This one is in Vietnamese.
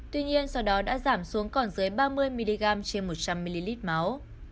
tuy nhiên sau đó đã giảm xuống còn dưới ba mươi mg trên một trăm linh ml máu